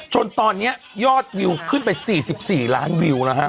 จนตอนนี้ยอดวิวขึ้นไป๔๔ล้านวิวแล้วฮะ